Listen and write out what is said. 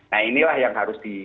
nah inilah yang harus di